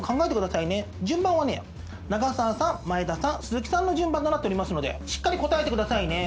順番はね長澤さん眞栄田さん鈴木さんの順番となっておりますのでしっかり答えてくださいね。